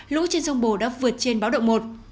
lũ trên sông bồ đã vượt trên báo động một